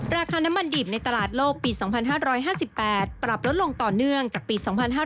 ราคาน้ำมันดิบในตลาดโลกปี๒๕๕๘ปรับลดลงต่อเนื่องจากปี๒๕๕๙